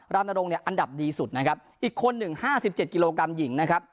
รามนรงอันดับดีสุดอีกคนนึง๕๗กิโลกรัมหญิง